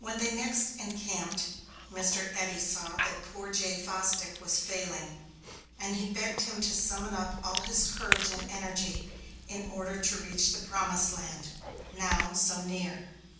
When they next encamped, Mr. Eddy saw that poor Jay Fosdick was failing, and he begged him to summon up all his courage and energy in order to reach the promised land, now so near.